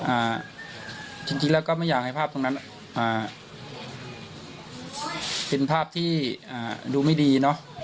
อ่าจริงจริงแล้วก็ไม่อยากให้ภาพตรงนั้นอ่าเป็นภาพที่อ่าดูไม่ดีเนอะ